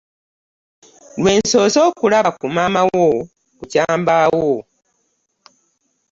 Lwe nsoose okulaba ku maama wo bukya mbaawo.